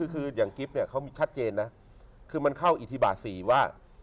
คืออย่างกิ๊บเนี่ยเขามีชัดเจนนะคือมันเข้าอิทธิบาสี่ว่า